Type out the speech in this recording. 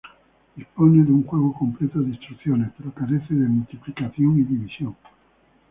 Dispone de un juego completo de instrucciones, pero carece de multiplicación y división.